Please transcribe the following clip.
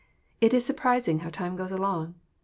It is surprising how time goes along.